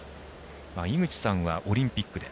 井口さんはオリンピックで。